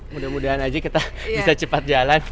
mudah mudahan aja kita bisa cepat jalan